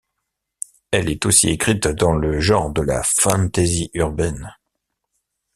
Elle est aussi écrite dans le genre de la fantasy urbaine.